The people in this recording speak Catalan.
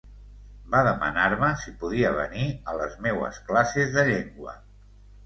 Va demanar-me si podia venir a les meues classes de llengua.